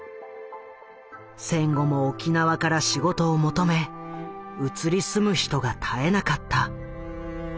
戦後も沖縄から仕事を求め移り住む人が絶えなかった。